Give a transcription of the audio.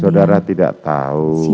saudara tidak tahu